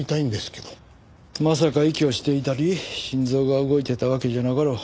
まさか息をしていたり心臓が動いていたわけじゃなかろう。